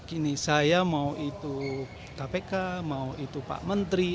ini saya mau itu kpk mau itu pak menteri